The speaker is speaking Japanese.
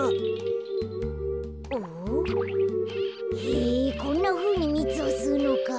へぇこんなふうにみつをすうのか。